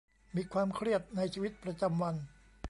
มีความเครียดในชีวิตประจำวัน